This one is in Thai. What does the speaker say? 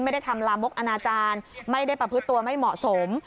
ไม่ได้ทำลามกอนาจารย์ไม่ได้ประพฤติตัวไม่เหมาะสม